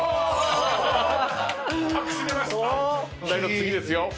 次ですよ。